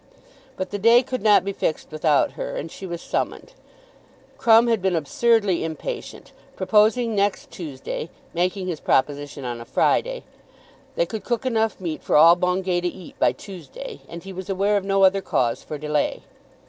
But the day could not be fixed without her, and she was summoned. Crumb had been absurdly impatient, proposing next Tuesday, making his proposition on a Friday. They could cook enough meat for all Bungay to eat by Tuesday, and he was aware of no other cause for delay.